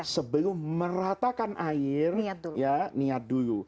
sebelum meratakan air ya niat dulu